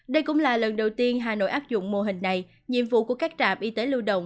đây cũng là lần đầu tiên hà nội áp dụng mô hình này nhiệm vụ của các trạm y tế lưu động